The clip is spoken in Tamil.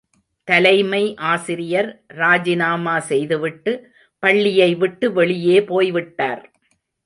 தலைமை ஆசிரியர் ராஜினாமா செய்துவிட்டு பள்ளியை விட்டு வெளியே போய்விட்டார்.